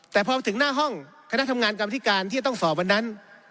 แต่พอถึงหน้าห้องคณะทำงานกรรมธิการที่จะต้องสอบวันนั้น